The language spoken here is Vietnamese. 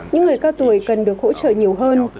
những người cao tuổi cần được hỗ trợ nhiều hơn